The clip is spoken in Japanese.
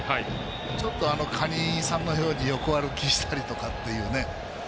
ちょっと、カニさんのように横歩きしたりっていう。